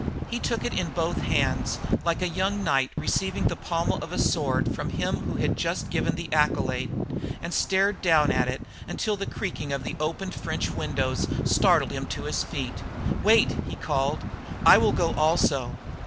He took it in both hands, like a young knight receiving the pommel of his sword from him who has just given the accolade, and stared down at it until the creaking of the opened French windows startled him to his feet. "Wait!" he called, "I will go also!"